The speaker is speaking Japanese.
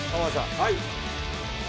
はい。